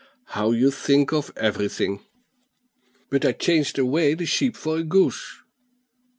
How you think of everything!" "But I changed away the sheep for a goose."